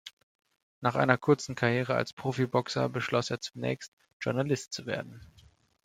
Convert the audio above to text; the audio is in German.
Nach einer kurzen Karriere als Profiboxer beschloss er zunächst, Journalist zu werden.